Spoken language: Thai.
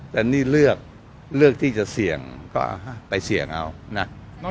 แต่นี่เลือกเลือกที่จะเสี่ยงก็ไปเสี่ยงเอานะ